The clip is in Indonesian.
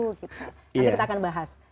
nanti kita akan bahas